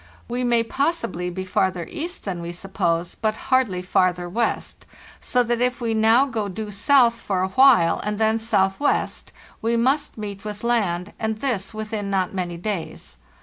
We may possibly be farther east than we suppose, but hardly farther west, so that if we now go due south for a while, and then southwest, we must meet with land, and this within not many days.